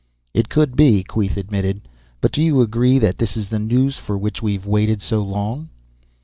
"It could be," Queeth admitted. "But do you agree that this is the news for which we've waited so long?"